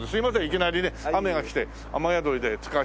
いきなりね雨がきて雨宿りで使わせて頂き。